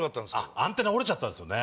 アンテナ折れちゃったんすよね。